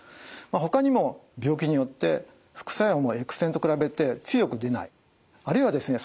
ほかにも病気によって副作用もＸ線と比べて強く出ないあるいはですね